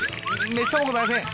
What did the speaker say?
めっそうもございません！